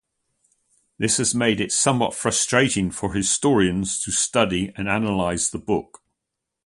This has made it somewhat frustrating for historians to study and analyse the book.